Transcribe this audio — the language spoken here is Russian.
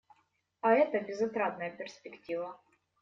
А это − безотрадная перспектива.